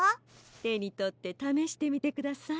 てにとってためしてみてください。